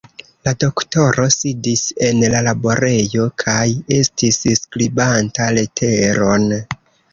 La doktoro sidis en la laborejo kaj estis skribanta leteron.